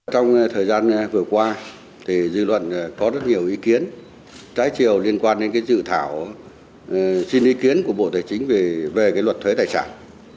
trong thời gian vừa qua dư luận có rất nhiều ý kiến trái chiều liên quan đến dự thảo xin ý kiến của bộ tài chính về luật thuế tài sản